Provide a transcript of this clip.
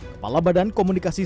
kepala badan komunikasi sistem